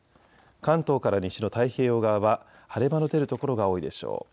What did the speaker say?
関東から西の太平洋側は晴れ間の出る所が多いでしょう。